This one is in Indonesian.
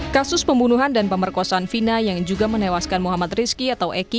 kasus pembunuhan dan pemerkosaan vina yang juga menewaskan muhammad rizki atau eki